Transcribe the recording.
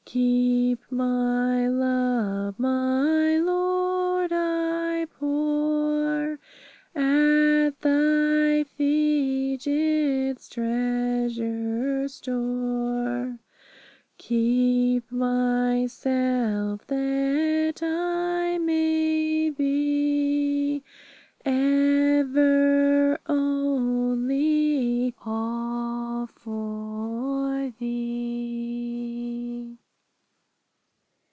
Keep my love; my Lord, I pour At Thy feet its treasure store. Keep myself, that I may be Ever, only, ALL for Thee.